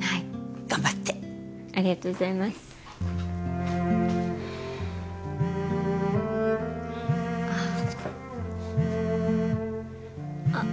はい頑張ってありがとうございますあっ